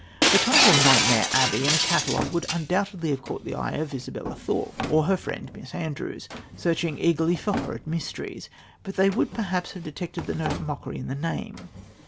The title Nightmare Abbey in a catalogue would undoubtedly have caught the eye of Isabella Thorp or her friend Miss Andrews, searching eagerly for "horrid mysteries," but they would perhaps have detected the note of mockery in the name.